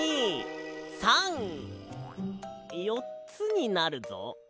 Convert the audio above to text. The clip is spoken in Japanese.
１２３よっつになるぞ。